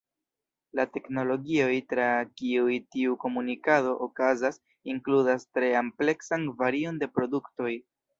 La teknologioj tra kiuj tiu komunikado okazas inkludas tre ampleksan varion de produktoj.